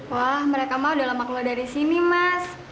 wah mereka mah udah lama keluar dari sini mas